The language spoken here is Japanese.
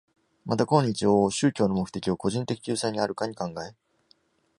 また今日往々宗教の目的を個人的救済にあるかに考え、